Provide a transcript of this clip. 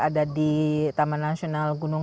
ada di taman nasional gunung